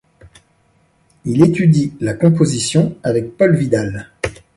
Il étudie la composition avec Paul Vidal.